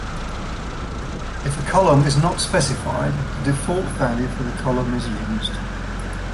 If a column is not specified, the default value for the column is used.